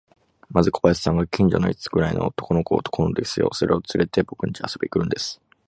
まず小林さんが、近所の五つくらいの男の子を、男の子ですよ、それをつれて、ぼくんちへ遊びに来るんです。